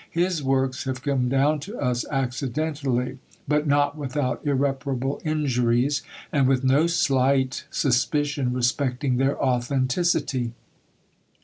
His works have come down to us accidentally, but not without irreparable injuries, and with no slight suspicion respecting their authenticity.